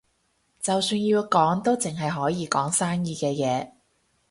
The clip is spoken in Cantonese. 就算要講，都淨係可以講生意嘅嘢